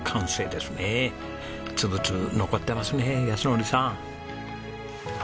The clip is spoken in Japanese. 粒々残ってますね靖典さん。